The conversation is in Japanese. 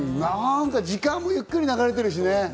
時間もゆっくり流れてるしね。